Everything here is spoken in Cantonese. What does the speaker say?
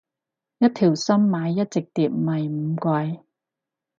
一條心買一隻碟咪唔貴